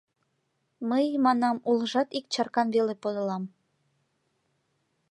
Мый, — манам, — улыжат ик чаркам веле подылам.